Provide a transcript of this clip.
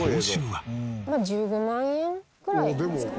まあ１５万円くらいですかね。